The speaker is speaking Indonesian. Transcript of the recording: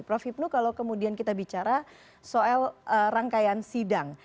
prof hipnu kalau kemudian kita bicara soal rangkaian sidang